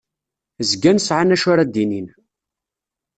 Zgan sɛan acu ara d-inin.